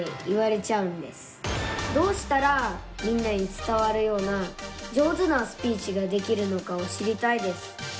どうしたらみんなに伝わるような上手なスピーチができるのかを知りたいです。